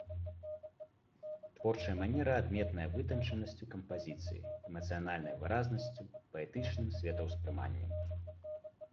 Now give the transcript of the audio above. Творчая манера адметная вытанчанасцю кампазіцыі, эмацыянальнай выразнасцю, паэтычным светаўспрыманнем.